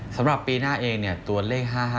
สำหรับปีหน้าเองตัวเลข๕๕